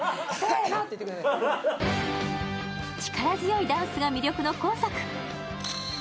力強いダンスが魅力の今作。